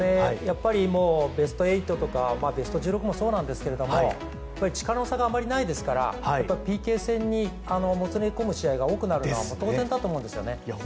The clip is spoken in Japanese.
ベスト８とかベスト１６もそうなんですけども力の差があまりないですからＰＫ戦にもつれ込む試合が多くなるのは当然だと思うんですよね。